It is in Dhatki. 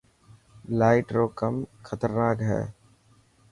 لائٽ رو ڪم خطرناڪ هي.